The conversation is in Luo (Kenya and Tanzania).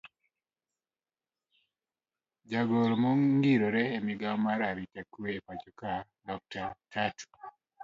Jagoro maongirore e migao mar arita kwe e pachoka dr.Tatu